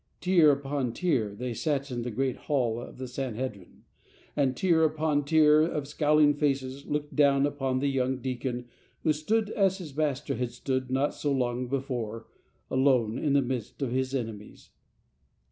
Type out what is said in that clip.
Tier, upon tier they sat in the great hall of the Sanhedrin, and tier upon tier of scowling faces looked down upon the young deacon who stood as his Master had stood not so long before, alone in the midst of his enemies.